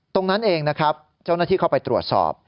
ตรงนั้นเองนะครับเจ้าหน้าที่เข้าไปตรวจสอบ